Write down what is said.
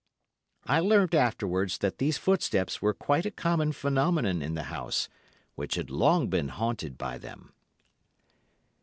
I learned afterwards that these footsteps were quite a common phenomenon in the house, which had long been haunted by them.